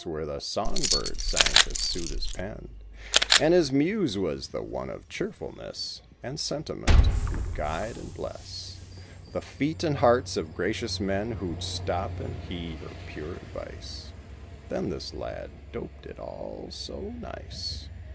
Where the song bird sang to soothe his pen ; And his Muse was the one of cheerfulness And sentiment; who'd guide and bless The feet and hearts of gracious men Who'd stop and heed her pure advice— Then this lad doped it all so nice.